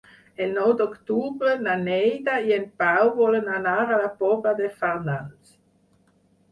El nou d'octubre na Neida i en Pau volen anar a la Pobla de Farnals.